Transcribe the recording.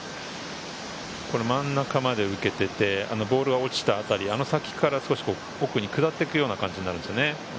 真ん中まで受けていて、ボールが落ちた辺り、あの先から奥に下っていくような感じになるんですね。